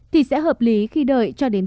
thì sẽ hợp lý khi đợi cho đến